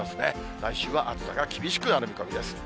来週は暑さが厳しくなる見込みです。